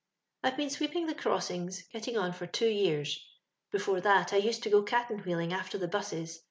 " I've been sweeping the crossings getting on for two years. Before that I used to go caten wheeling after the busses.